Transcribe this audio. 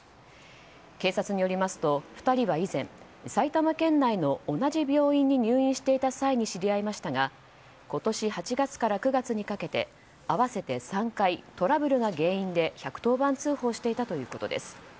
警察によりますと２人は以前埼玉県内の同じ病院に入院していた際に知り合いましたが今年８月から９月にかけて合わせて３回トラブルが原因で１１０番通報していたということです。